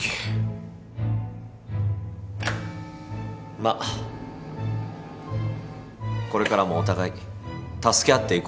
まっこれからもお互い助け合っていこう。